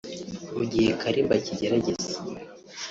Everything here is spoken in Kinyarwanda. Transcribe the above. mu gihe Kalimba akigerageza